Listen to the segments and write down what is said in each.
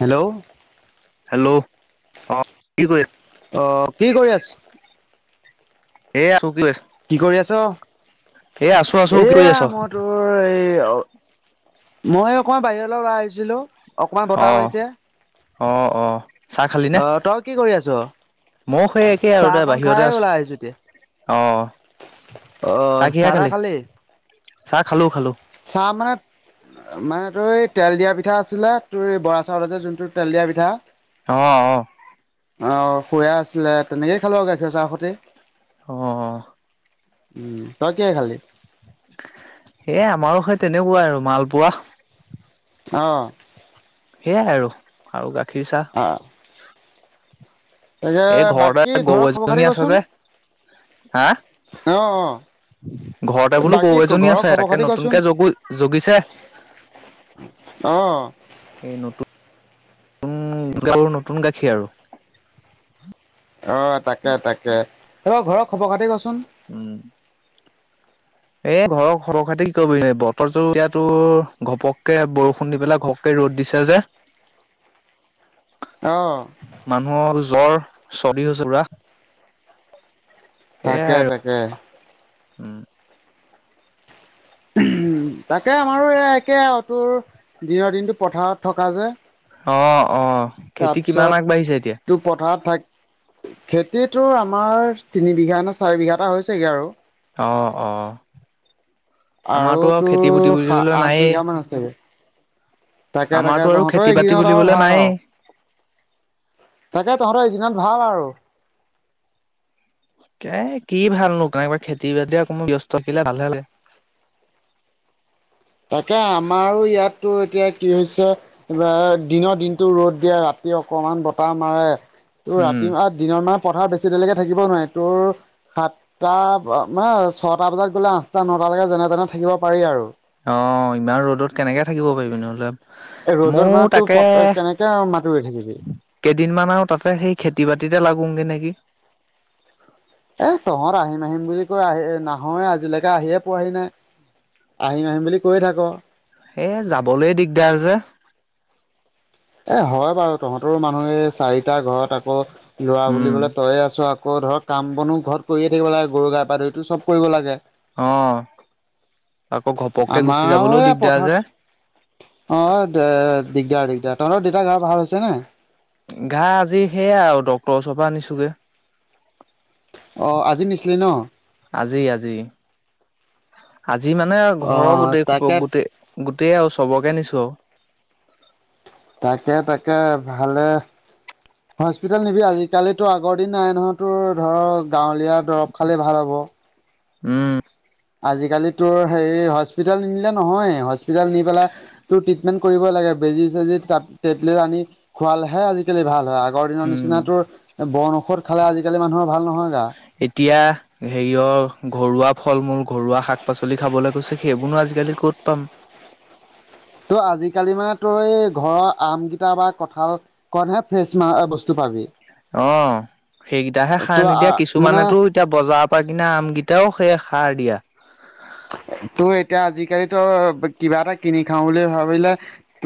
Hello hello অ কি কৰিছা? অ কি কৰি আছ এয়া [inaudible] কি কৰি আছ? আছো কি কৰি এয়া আছ মত তোৰ এই মই অকমান বাহিৰলৈ ওলাই আহিছিলো। অকমান অ বতাহ মাৰিছে। অ অ চাহ খালি নে। অ তই কি কৰি আছ? মই সেই একেই আৰু দে চাহকন বাহিৰতে খাই আছো ওলাই আহিছো এতিয়া। অ, অ চাহ তা খালি। চাহ খালো খালো। চাহ মানে, মানে তোৰ এই তেল দিয়া পিঠা আছিলে তোৰ এই বৰা চাউল যে যোনটো তেল দিয়া পিঠা। অ অ, অ খূয়া আছিলে তেনেকয়ে খালোঁ আৰু গাখীৰ চাহ সতে। অ, উম তই কিহে খালি। এ আমাৰো সেই তেনেকুৱা আৰু মালপোৱা। অ সেইয়াই আৰু আৰু গাখীৰ চাহ। অ, তাকে এই ঘৰতে বাকী গৰু ঘৰৰ খবৰ এজনী খাতি আছে কচোন যে হা অ অ, ঘৰতে বোলো বাকী গৰু এজনী ঘৰৰ আছে খবৰ তাকে খাতি কচোন নতুনকে জগো জগিছে। অ, এই নতুন নতুন গ নতুন গাখীৰ আৰু অ তাকে তাকে এইবাৰ ঘৰৰ খবৰ খাতি কচোন। উম, এ ঘৰৰ ঘবৰ খাতি কি কৰিবিনে বতৰ জোৰ ইয়াতো ঘপককে বৰষুণ দি পেলাই ঘপ, ৰ'দ দিছে যে। [inaudible] অ মানুহৰ জ্বৰ চৰ্দি হৈছে পোৰা তাকে সেইয়াই আৰু তাকে। উম তাকে আমাৰো এই একে তোৰ দিনৰদিনটো পথাৰত থকা যে। অ অ খেতি কিমান আগবাঢ়িছে এতিয়া তাৰপিছত তোক পথাৰত থাক খেতিটোৰ আমাৰ তিনি বিঘা নে চাৰি বিঘাএটা হৈছেগে আৰু অ অ, আৰু আমাৰতো খেতি বুতি তোৰ সা বুলিবলৈ আঠ নায়েই বিঘা মান আছেগে। তাকে আমাৰতো তাকে আৰু তহঁতৰ খেতি বাতি এইকেইদিনত আৰু বুলিবলৈ ভাল নায়েই আৰু তাকে তহঁতৰ এইকেইদিনত ভাল আৰু এ কি ভালনো খেতি বাতি অকণমান ব্যস্ত থাকিলে ভালহে লাগে। তাকে আমাৰো ইয়াতো এতিয়া কি হৈছে। দিনৰ দিনতটো ৰ'দ দিয়ে ৰাতি অকমান বতাহ মাৰে ত উম ৰাতি দিনৰ মাহ পথাৰ বেছি দেৰিলৈকে থাকিব নোৱাৰে তোৰ সাতটা মানে ছটা বজাত গ'লে আঠটা নটালৈকে যেনে তেনে থাকিব পাৰি আৰু অ ইমান ৰ'দত কেনেকে থাকিব পাৰিবি নহ'লে। এ ৰ'দৰ ময়ো মানে তাকে তোৰ কেনেকে মাটি ৰোই থাকিবি। কেইদিনমান আৰু তাতে সেই খেতি বাতিতে লাগোগে নেকি। এ তহঁত আহিম আহিম বুলি কৈ নাহয়ে আজিলৈকে আহিয়ে পোৱাহি নাই। আহিম আহিম বুলি কৈয়ে থাক। সেই যাবলে দিগদাৰ যে এ হয় বাৰু তহঁতৰো মানুহ এই চাৰিটা ঘৰত আকৌ লৰা বুলি উম ক'লে তইয়ে আছ আক আকৌ ধৰ কাম বনো ঘৰত কৰিয়ে থাকিব লাগে গৰু গা পা ধুইটো চব কৰিব লাগে। অ আকৌ ঘপ আমাৰ এইয়া পথাৰত অ দে দিগদাৰ দিগদাৰ, তহঁতৰ দেতাৰ গা ভাল আছে নাই গা আজি সেয়াই আৰু ডক্তৰ ওচৰ পৰা আনিছোগে। অ আজি নিছিলি ন আজি আজি আজি মানে অ ঘৰৰ গোটেই তাকে খোপক গোটেই গোটেই আৱ চবকে নিছো আও তাকে তাকে ভালে হস্পিটেল নিবি আজিকালিতো আগৰ দিন নাই নহয় তোৰ ধৰ গাঁৱলীয়া দৰৱ খালেই ভাল হ'ব। উম আজিকালি তোৰ হেৰি হস্পিতেল নিনিলে নহয় হস্পিতেল নি পেলাই তোৰ টিপমেন্ট কৰিব লাগে বেজি চেজি তাত টেবলেট আনি খোৱালেহে আজিকালি ভাল হয়। আগৰ দিনৰ উম নিচিনা তোৰ বন ঔষধ খালে আজিকালি মানুহৰ ভাল নহয় গা এতিয়া হেৰিয়ৰ ঘৰুৱা ফল- মূল, ঘৰুৱা শাক- পাচলি খাবলৈ কৈছে সেইবোৰনো আজিকালি ক'ত পাম। ত' আজিকালি মানে তোৰ এই ঘৰৰ আমকেইটা বা কঁঠাল কনহে ফ্ৰেছ মাহ বস্তু পাবি অ সেইকেইটাহে সাৰ তো নিদিয়া মানে কিছুমানেতো এতিয়া বজাৰৰ পৰা কিনা আমকেইটাও সেই সাৰ দিয়া। তোৰ এতিয়া আজিকালিতো কিবা এটা কিনি খাও বুলি ভাবিলে।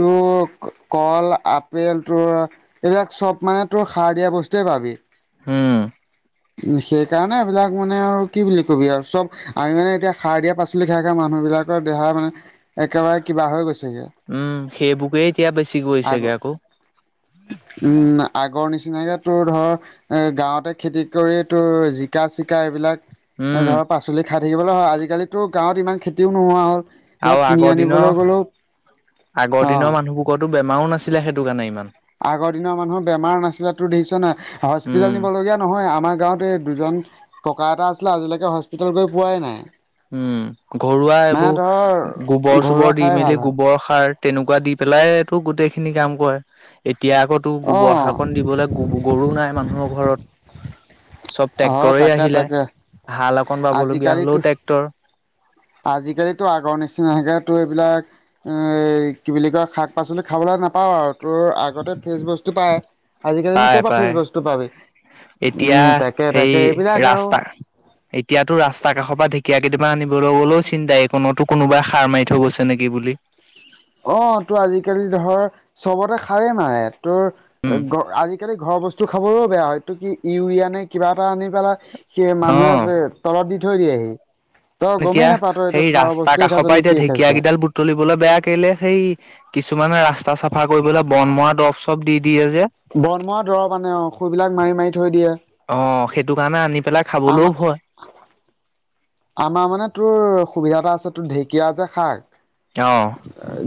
তোক কল আপেল তোৰ এইবিলাক চব মানে তোৰ সাৰ দিয়া বস্তুয়ে পাবি। উম উ সেই কাৰণে এইবিলাক মানে আৰু কি বুলি কবি আৰু চব আমি মানে এতিয়া সাৰ দিয়া পাচলি খাই খাই মানুহ বিলাক দেহা মানে একেবাৰে কিবা হৈ গৈছেগে। উম সেইবোকে এতিয়া বেছি আগ গৈছেগে আকৌ উম আগৰ নিচিনাকে তোৰ ধৰ এ গাঁৱতে খেতি কৰিয়ে তোৰ জিকা চিকা এইবিলাক এনে উম ধৰক পাচলি খাই থাকিবলৈ হয় আজিকালিতো গাঁৱত ইমান খেতিও নোহোৱা হ'ল। ধৰক আৰু কিনি আগৰ আনিবলৈ দিনৰ, গ'লেও আগৰ অ দিনৰ মানুহবোৰ কতো বেমাৰো নাছিলে সেইটো কাৰণে ইমান। আগৰ দিনৰ মানুহৰ বেমাৰ নাছিলে তোৰ দেখিছ নাই হস্পিতেল উম। নিবলগীয়া নহয় আমাৰ গাঁৱতে এই দুজন ককা এটা আছিলে আজিলৈকে হস্পিতেল গৈ পোৱাই নাই। উম ঘৰুৱা মানে এইবোৰ ধৰ গোবৰ ঘৰুৱা চোবৰ দি খাই ভাল মেলি হয়। গোবৰ সাৰ তেনেকুৱা দি পেলাইয়েটো গোটেই খিনি কাম কৰে এতিয়া আকৌ তোৰ গোবৰ অ' সাৰকণ দিবলে গো গৰু নাই মানুহৰ ঘৰত। চব হয় ট্ৰেক্টৰেই তাকে আহিলে তাকে হাল অকন বাবলগীয়া আজিকালিতো হ'লেও টেক আজিকালিতো আগৰ নিচিনাকে তোৰ এইবিলাক উম এই কি বুলি কয়, শাক পাচলি খাবলৈ নাপাওঁ আৰু তোৰ আগতে ফ্ৰেচ বস্তু পায়। আজিকালিনো পায় কৰপৰা ফ্ৰেছ পায়, বস্তু পাবি এতিয়া উম তাকে সেই তাকে এইবিলাক আৰু ৰাস্তা এতিয়াতো ৰাস্তা কাষৰ পৰা ঢেঁকীয়া কেইটামান আনিবলৈ গ'লেও চিন্তা এই কণতো কোনোবাই সাৰ মাৰি থৈ গৈছে নেকি বুলি। অ', তো আজিকালি ধৰ, চবতে খাৰেই মাৰে। তোৰ, উম, আজিকালি ঘৰৰ বছ খাবলৈও বেয়া হয়। ইটো কি ইউৰিয়া নে কিবা এটা আনি পেলাই, সেই মানুহে অ'। যে তলত দি থৈ দিয়েহি। তই এতিয়া, গমেই নাপাৱ তই এইটো সেই সাৰৰ ৰাস্তা বস্তুৱে কাষৰ খাইছ পৰা নে এতিয়া কিয়ে খাইছ। ঢেঁকীয়া কেইডাল বু তলিবলৈ বেয়া কেলে, সেই কিছুমানে, ৰাস্তা চাফা কৰিবলৈ বন মৰা দৰব টব দি দি যে। বনমাৰা দৰৱ আনে, আউ সুৰবিলাক মাৰি মাৰি থৈ দিয়ে। অ', সেইটো কাৰণে আনি পেলাই খাবলৈও আমা- ভয়। আমাৰ মানে, তোৰ সুবিধা এটা আছে। তোৰ ঢেঁকীয়া যে খাই অ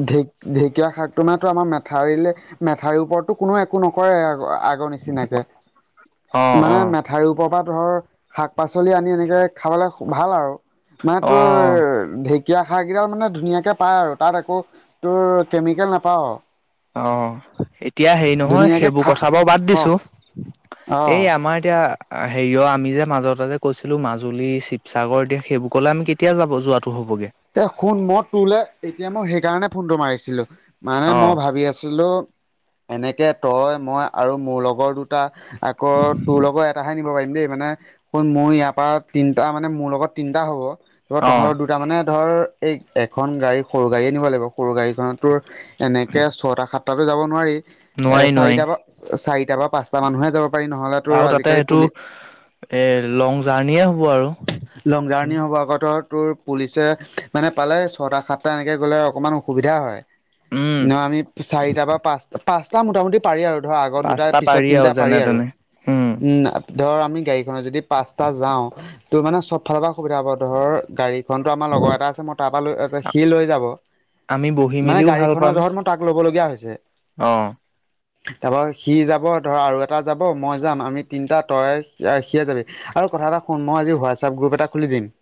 ঢে ঢেঁকীয়া শাকটো নাটো আমাৰ মেঠাৰিলে, মেঠাৰীৰ ওপৰতো কোনো একো নকৰে, আগ নিচিনাকে, অ মানে মে অ ঠাৰিৰ ওপৰৰ পৰা ধৰ, শাক পাচলি আনি এনেকে খাবলৈ ভাল আৰু। মানে অ তোৰ ঢেক কিয়া শাক কেইডাল মানে ধুনীয়াকে পায় আৰু, তাত একো তোৰ কেমিকেল নাপাওঁ। অ', এতিয়া হেৰি নহয়। ধুনীয়াকে সেইবোৰ খা কথা বাৰু বাদ ক দিছো। অ'। এই আমাৰ এতিয়া হেৰিয়, আমি যে মাজতে যে কৈছিলো মাজুলী, শিৱসাগৰদি সেইবোৰকলৈ আমি কেতিয়া যাব, যোৱাটো হ'বগৈ। এ শুন। মই তোলৈ এতিয়া মই সেইকাৰণে ফোনটো মাৰিছোঁ। দিলোঁ। মানে অ মই ভাবি আছিলোঁ এনেকে তই মই আৰু মোৰ লগৰ দুটা আকৌ তোৰ লগৰ এটাহে নিব পাৰিম দেই, মানে শুন, মোৰ ইয়াৰ পৰা তিনটা মানে মোৰ লগত তিনটা হ'ব। ৰ অ তহঁতৰ দুটা মানে ধৰ, এই এখন গাড়ী সৰু গাড়ী নিব লাগিব। সৰু গাড়ীখনত তোৰ, এনেকে ছটা সাত তাতো যাব নোৱাৰি। এ নোৱাৰি নোৱাৰি চাৰিটা বা চাৰিটা বা পাঁচটা মানুহে যাব পাৰি নহ'লে তোৰ আৰু তাতে আজিকালি সেইটো, পুলি এই লং জাৰ্ণিয়ে হ'ব আৰু। লং জাৰ্ণি হ'ব। আকৌ ধৰ তোৰ পুলিচে মানে পালে ছটা, সাতটা এনেকে গ'লে অকমান অসুবিধা হয়। উম ন আমি চাৰিটা বা পাঁচ। পাঁচটা মোটামুটি পাৰি আৰু ধৰ আগত দুটা পিছত তিনিটা পাৰি আৰু। উম। ধৰ, আমি গাড়ীখনত যদি পাঁচটা যাওঁ তোৰ মানে চব ফালৰ পৰা সুবিধা হ'ব। ধৰ গাড়ীখনটো আমাৰ লগৰ এটা আছে। মই তাৰ পৰা লৈ, সি লৈ যাব। আমি বহি নাই মেলিও ভাল গাড়ীখনৰ পাম জহত মোৰ তাক ল'বলগীয়া অ হৈছে। তাৰপৰা সি যাব। ধৰ আৰু এটা যাব, মই যাম। আমি তিনিটা, তই সিয়ে যাবি। আৰু কথা এটা শুন, মই আজি হোৱাছআপ গ্ৰুপ এটা খুলি দিম।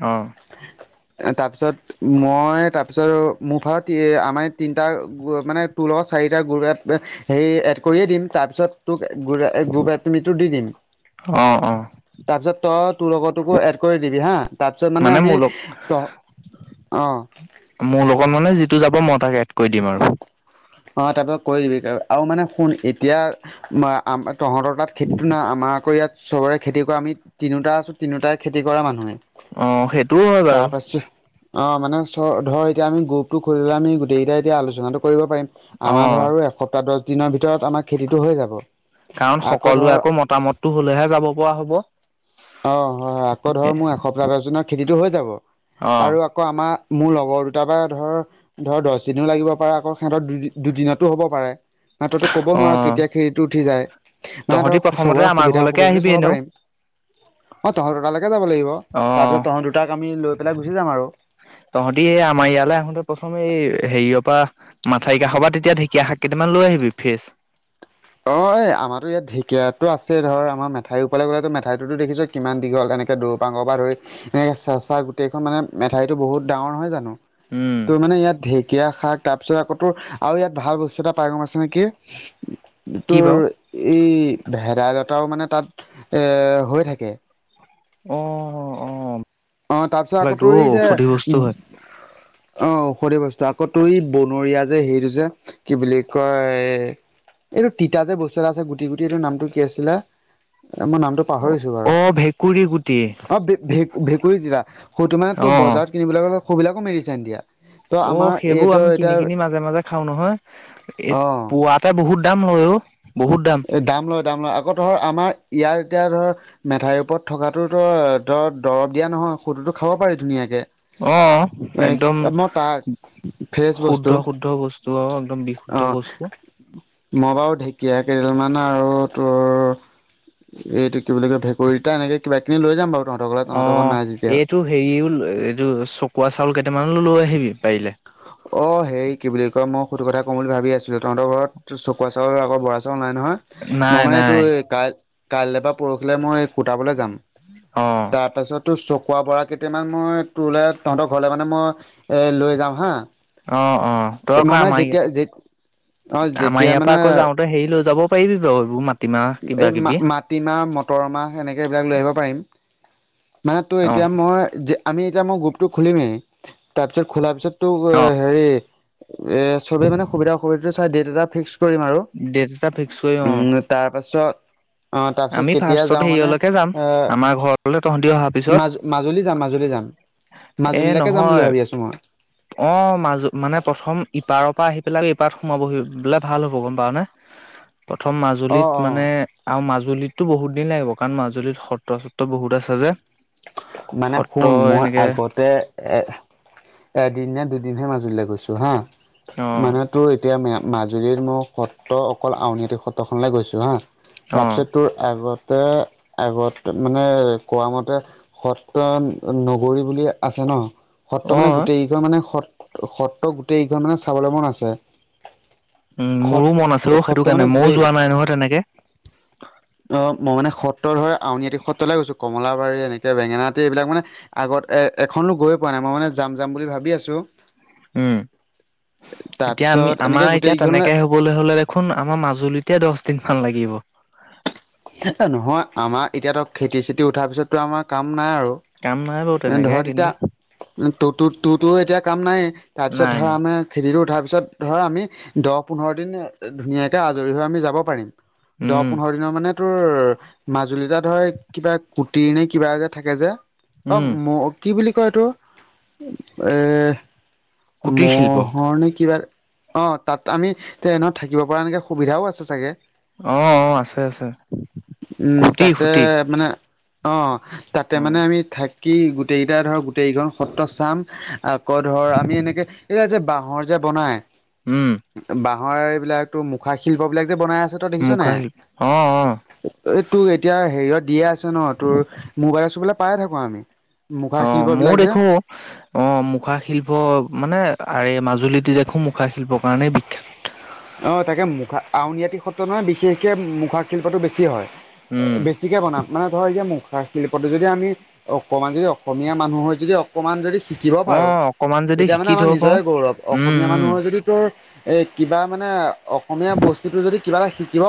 অ'। এ তাৰপিছত মই তাৰপিছত মোৰফালত আমাৰ তিনিটা মানে তোৰ লগত চাৰিটা গু সেই এড কৰিয়ে দিম তাৰপিছত তোক গুপ গোব এডমিটো দি দিম। অ অ তাৰপিছত তই তোৰ লগতটোকো এড কৰি দিবি হা। তাৰপিছত মানে, আমি মোৰ তহ অঁ লগত মানে যিটো যাব মই তাক এড কৰি দিম আৰু। অ', তাৰপিছত কৰি দিবি আৰু মানে শুন এতিয়া আম তহঁতৰ তাত খেতিতো নাই আমাৰ আকৌ ইয়াত চবৰে খেতি কৰা আমি তিনিওটা আছো তিনিটাই খেতি কৰা মানুহে অ সেইটোও হয় বাৰু তাৰ পাছত অঁ মানে চ ধৰ এতিয়া আমি গ্ৰুপটো খুলিলে আমি গোটেইকেইটাই এতিয়া আলোচনাটো কৰিব পাৰিম। অ আমাৰ ধৰ আৰু এসপ্তাহ দহ দিনৰ ভিতৰত আমাৰ খেতিটো হৈ যাব। কাৰণ সকলোৱে আকৌ মতামতটো হলেহে যাব পৰা হব। অ হয় হয় আকৌ ধৰ মোৰ এসপ্তাহ দহজনৰ খেতিটো হৈ যাব আৰু আকৌ আমাৰ মোৰ লগৰ দুটাৰ পা ধৰ ধৰ দহ দিনও লাগিব পাৰে আকৌ সিহঁত দু দুদিনতো হ'ব পাৰে। মাত্ৰতো ক'ব অ নোৱাৰো কেতিয়া খিৰিটো উঠি যায় না তহঁতি ধৰক প্ৰথমতে চবৰে আমাৰ সুবিধা ঘৰলৈকে অসুবিধাটো আহিবি চাব এনেও পাৰিম। অঁ তহ দুটালৈকে যাব লাগিব অ তাৰপিছত তহঁ দুটাক আমি লৈ পেলাই গুচি যাম আৰু। তহঁতি এই আমাৰ ইয়ালৈ আহোতে প্ৰথম এই হেৰিয়ৰ পৰা মাঠৰি কাষ'ৰ পা তেতিয়া ঢেকীয়া শাক কেইটামান লৈ আহিবি ফেচ। অ এই আমাৰো ইয়াত ঢেকীয়াতো আছে ধৰ আমাৰ মেথা ওপৰলৈ গ'লেতো মেঠাইতোত দেখিছই। কিমান দীঘল এনেকৈ দূৰৰ পৰা পাঙৰ পৰা ধৰি এনেকৈ চেঁচা গোটেইখন মানে মেঠাইটো বহুত ডাঙৰ নহয় জানো উম তো মানে ইয়াত ঢেকীয়া শাক তাৰপিছত আকৌ তোৰ আৰু ইয়াত ভাল বস্তু এটা পাই গম আছে নে কি কি তোৰ বাৰু এই ভেদাইলতাও মানে তাত এ হৈ থাকে। অ অ অ অ। অ তাৰপিছত আকৌ লাগে তোৰ এই যে ঔষধি বস্তু হয় অ ঔষধি বস্তু আকৌ তোৰ এই বনৰীয়া যে হেটো যে কি বুলি কয় এইটো তিতা যে বস্তু এটা আছে গুটি গুটি এইটো নামটো কি আছিলে, মই নামটো পাহৰিছো বাৰু, অ ভেকুৰী গুটি অ ভে ভে ভেঁকুৰী তিতা, সৌটো মানে অ তোৰ বজাৰত কিনিবলৈ গলে সেইবিলাকো মেডিচিন দিয়া। ত' অ আমাৰ সেইবোৰ এইটো আমি এতিয়া কিনি কিনি মাজে মাজে খাও নহয়, এই অ পোৱাত তাৰ বহুত দাম লয় অ বহুত দাম দাম লয় দাম লয় আকৌ ধৰ আমাৰ ইয়াত এতিয়া ধৰ মেঠাইৰ ওপৰত থকাতোতো ধৰ দৰব দিয়া নহয় সৌটোতো খাব পাৰি ধুনীয়াকে। অ এ একদম। মই তাক ফ্ৰেছ শুদ্ধ বস্তু শুদ্ধ বস্তু আৰু একদম অ বিশুদ্ধ বস্তু। মই বাৰু ঢেকীয়াক কেৰেল মান আৰু তোৰ এইটো কি বুলি কয় খুৰিতা এনেক কিবা কিবি লৈ যাম বাৰু তহঁতৰ ঘৰলে তঁহতৰ ঘৰত নাই যেতিয়া। টো হেৰিও এইটো চকুৱা চাউল কেইটামানো লৈ আহিবি পাৰিলে। অ হেৰি কি বুলি কয় মই সুটো কথা ক'ম বুলি ভাবি আছিলো তহঁতৰ ঘৰত চকুৱা চাউল আগত বৰা চাউল নাই নহয় নাই মই মানে এইটো নাই কাই কাইলৈ বা পৰহিলৈ মই কুটাবলৈ যাম। অ তাৰ পাছত তোৰ চকুৱা বৰা কেইটামান মই তোৰলে তহতৰ ঘৰলে মানে মই এ লৈ যাওঁ হা। অ অ মই দৰকাৰ মানে আমাৰ যেতিয়া ইয়াতে। যে অ আমাৰ যেতিয়া ইয়াৰ মানে পৰা আকৌ যাওঁতে হেৰি লৈ যাব পাৰিবি বাৰু এইবোৰ মাটিমাহ এই কিবা মা কিবি। মাটিমাহ মটৰ মাহ সেনেকৈ এইবিলাক লৈ আহিব পাৰিম, মানে তোৰ অ এতিয়া মই যে আমি এতিয়া মই গ্ৰুপটো খুলিমেই, তাৰপিছত খোলাৰ পিছত ত অ হেৰি এ চবে মানে সুবিধা অসুবিধাটো চাই ডেট এটা ফিক্স কৰিম আৰু। ডেট এটা ফিক্স কৰিম উম অহ। তাৰপাছত অ তাৰপিছত আমি কেতিয়া ফাৰ্ষ্টত যাওঁ মানে হেৰিয়লকে যাম আমাৰ ঘৰলৈ তহঁতি অহা মাজু মাজুলী যাম মাজুলী যাম, এ মাজুলীলৈকে যাম বুলি নহয় ভাবি আছোঁ মই। অ, মাজু মানে প্ৰথম ইপাৰৰ পৰা আহি পেলাই ইপাৰত সোমাবহি বোলে ভাল হ'ব গম পাও নে? [inaudible] প্ৰথম অ মাজুলীত অ মানে আ মাজুলী। মাজুলীতো বহুত দিন লাগিব কাৰণ মাজুলীত সত্ৰ চত্ৰ বহুত আছে যে। মানে সত্ৰ শুন মই এনেকে আগতে এ এদিন নে দুদিনহে মাজুলীলৈ গৈছো হা অ মানে তোৰ এতিয়া মে মাজুলীৰত মোৰ সত্ৰ অকল আউনীহাটি সত্ৰখনলৈ গৈছোঁ হা অ তাৰপিছত তোৰ আগতে আগতে মানে কোৱা মতে সত্ৰ নগৰী বুলি আছে ন' সত্ৰ অ মানে গোটেইক মানে সত্ৰ সত্ৰ গোটেইকেইখন মানে চাবলৈ মন আছে। উম, সত মোৰো মন আছেও সত্ৰ সেইটো মানে কাৰণে মইও গোটেই যোৱা নাই নহয় তেনেকে অ, 'মই মান সতৰ হয় আউনীহাতি সত্ৰলৈ গৈছো কমলাবাৰী বেঙেনাটি এইবিলাক মানে আগত এখনো গৈ পোৱা নাই মই মানে যাম যাম বুলি ভাবি আছোঁ। উম, এতিয়া আমি তাৰপিছত এনেকে আমাৰ এতিয়া গোটেইকেইখনলে তেনেকে হব ক'বলৈ হ'লে দেখোন আমাৰ মাজুলীতে দহ দিন মান লাগিব। নহয় আমাৰ এতিয়াতো খেতি চেতি উঠাৰ পিছততো আমাৰ কাম নাই আৰু কাম নাই বাৰু তেনেকে কিন্তু তো তোৰতো এতিয়া কাম নাই তাৰপিছত নাই ধৰা নাই আমি খেতিটো উঠাৰ পিছত ধৰ আমি দহ পোন্ধৰ দিন ধুনীয়াকৈ আজৰি হৈ আমি যাব পাৰিম। দহ উম পোন্ধৰ দিনৰ মানে মাজুলীতাত ধৰ কিবা কুটিৰ নে কিবা যে থাকে যে উম অ'। কি বুলি কয় এইটো এৰ কুটিৰ শিল্প মহৰ নে কিবা অ, ' তাত আমি ট্ৰেইনত থাকিব পৰা এনেকে সুবিধাও আছে চাগে। অ, 'অ'আছে আছে। উম, খুটি তাতে খুটি মানে অ, ' তাতে উ মানে আমি থাকি কি গোটেইকেইটা ধৰ গোটেই কেইখন সত্ৰ চাম আকৌ ধৰ আমি এনেকে এয়া যে বাহৰ যে বনায়। উম। বাহৰ এইবলাক তো মুখা শিল্প বিলাক যে বনাই আছে। তই দেখিছ নাই মুখা শিল অ, 'অ'। এই তোৰ এতিয়া হেৰিয়ত দিয়ে আছে ন' তোৰ মোবাইলে চোবাইলে পাইে থাকো আমি মুখা অ, 'মইও শিল্পবিলাক যে দেখো। অ, ' মুখা শিল্প মানে আৰে মাজুলীত দেখো মুখা শিল্প কাৰণে বি অ, তাকে মুখা আউনআটি সত্ৰ নহয় বিশেষকে মুখা শিল্পাতো বেছি হয়। উম বেছিকে বনাম মানে ধৰ যে মুখা শিল্পটো যদি আমি অকমান যদি অসমীয়া মানুহৰ যদি অকমান যদি শিকিব অ পাৰো অকমান যদি তেতিয়া মানে শিকি আমাৰ থব পাৰো নিজৰে গৌৰৱ উম অসমীয়া উম মানুহৰ তোৰ এ কিবা মানে অসমীয়া বস্তুটো যদি কিবা এটা শিকিব